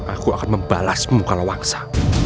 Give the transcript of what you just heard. aku akan membalasmu kalawangsa